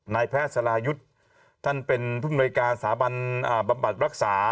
นายแพทย์สรายุทธ์ท่านเป็นผู้มนวยการสถาบันบำบัดรักษา